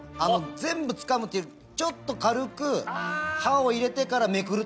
全部つかむっていうよりちょっと軽く刃を入れてからめくると。